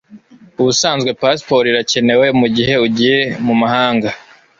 Ubusanzwe pasiporo irakenewe mugihe ugiye mumahanga